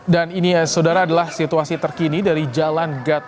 dan ini ya saudara adalah situasi terkini dari jalan gata subroto